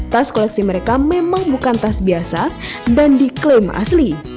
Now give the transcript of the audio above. tas koleksi mereka memang bukan tas biasa dan diklaim asli